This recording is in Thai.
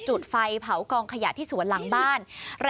จุดไฟเผากองขยะที่สวนหลังบ้าน